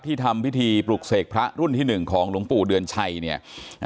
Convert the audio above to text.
ที่ทำพิธีปลูกเสกพระรุ่นที่๑ของลงปู่เดือนชัยนะ